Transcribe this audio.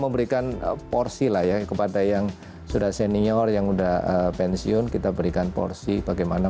memberikan porsi lah ya kepada yang sudah senior yang udah pensiun kita berikan porsi bagaimana